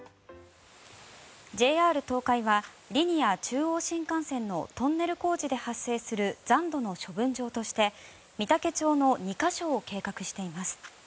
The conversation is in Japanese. ＪＲ東海は、リニア中央新幹線のトンネル工事で発生する残土の処分場として御嵩町の２か所を計画しています。